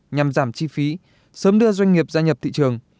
nhằm giảm chi phí sớm đưa doanh nghiệp gia nhập thị trường